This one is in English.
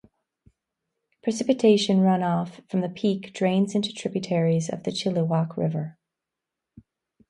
Precipitation runoff from the peak drains into tributaries of the Chilliwack River.